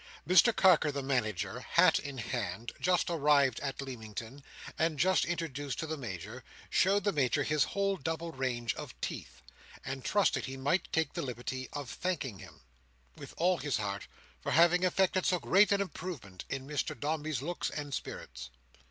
Mr Carker the Manager, hat in hand, just arrived at Leamington, and just introduced to the Major, showed the Major his whole double range of teeth, and trusted he might take the liberty of thanking him with all his heart for having effected so great an Improvement in Mr Dombey's looks and spirits.